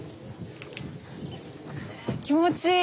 気持ちいい。